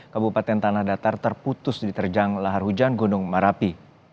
kabupaten tanah datar terputus diterjang lahar hujan gunung merapi